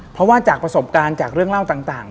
เพราะว่าจากประสบการณ์จากเรื่องเล่าต่าง